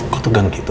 kok tuh gang gitu